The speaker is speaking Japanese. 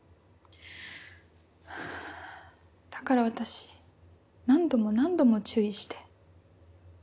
だから私何度も何度も注意して。